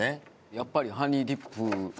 やっぱりハニーディップ。